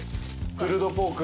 プルドポーク。